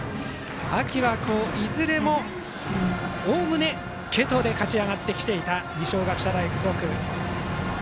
秋は、いずれもおおむね継投で勝ち上がってきていた二松学舎大付属。